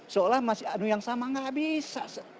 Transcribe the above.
seolah masih anu yang sama nggak bisa